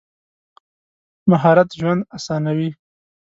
مهارت ژوند اسانوي.